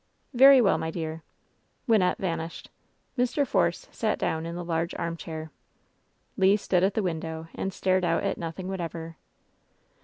"Very well, my dear." Wynnette vanished Mr. Force sat down in the large armchair. 248 LOVE'S BITTEREST CUP Le stood at the window and stared out at nothing whatever.